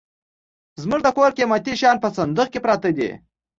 زموږ د کور قيمتي شيان په صندوخ کي پراته وي.